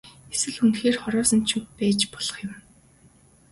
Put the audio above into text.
Эсвэл үнэхээр хороосон ч байж болох юм.